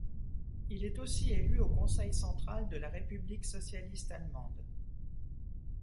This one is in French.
Il est aussi élu au Conseil central de la République socialiste allemande.